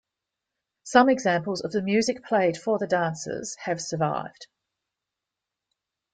Some examples of the music played for the dancers have survived.